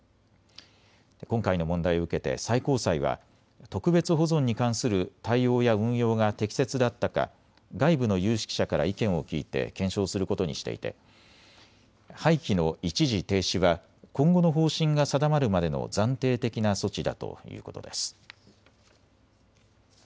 今回の問題を受けて最高裁は特別保存に関する対応や運用が適切だったか外部の有識者から意見を聞いて検証することにしていて廃棄の一時停止は今後の方針が定まるまでの暫定的な措置だということです。